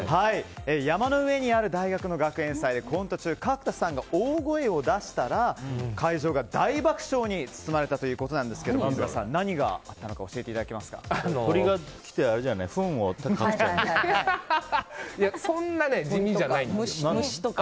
山の上にある大学の学園祭でコント中、角田さんが大声を出したら会場が大爆笑に包まれたということですが飯塚さん、何があったのか鳥が来てそんな地味じゃないんですよ。